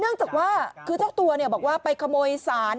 เนื่องจากว่าคือเจ้าตัวเนี่ยบอกว่าไปขโมยศาล